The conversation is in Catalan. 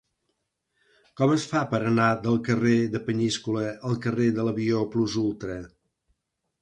Com es fa per anar del carrer de Peníscola al carrer de l'Avió Plus Ultra?